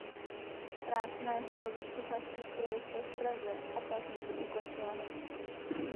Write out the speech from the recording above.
Práci na jeho nových sochařských projektech v Praze a Paříži ukončila nemoc.